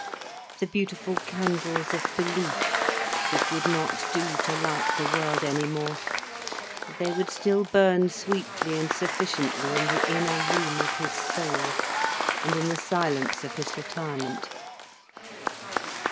The beautiful candles of belief, that would not do to light the world any more, they would still burn sweetly and sufficiently in the inner room of his soul, and in the silence of his retirement.